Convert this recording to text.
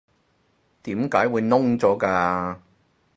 點解會燶咗㗎？